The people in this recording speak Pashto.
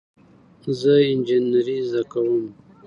زه انجینری زده کوم